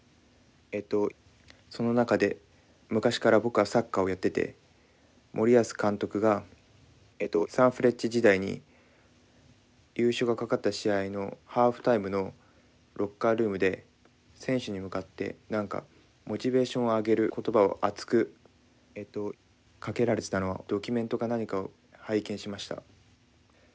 その中で昔から僕はサッカーをやってて森保監督がサンフレッチェ時代に優勝が懸かった試合のハーフタイムのロッカールームで選手に向かって何かモチベーションを上げる言葉を熱くかけられてたのをドキュメントか何かを拝見しました。